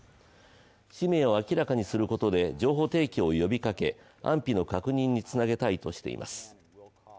氏名を明らかにすることで情報提供を呼びかけ安否の確認につなげたいとしています。